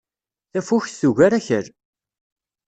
Tafukt tugar Akal.